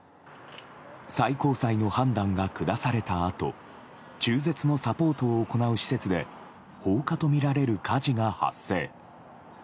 最高裁の判断が下されたあと中絶のサポートを行う施設で放火とみられる火事が発生。